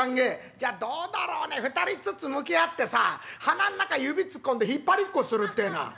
「じゃどうだろうね２人っつつ向き合ってさ鼻ん中指突っ込んで引っ張りっこするってえのは」。